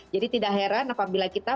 jadi tidak heran apabila kita